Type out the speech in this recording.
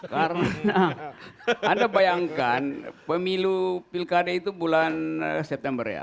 karena anda bayangkan pemilu pilkada itu bulan september ya